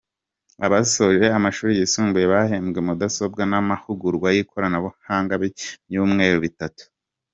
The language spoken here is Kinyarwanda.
Abasoje amashuri yisumbuye bahembwa mudasobwa n’amahugurwa y’ikoranabuhanga y’ibyumweru bitatu.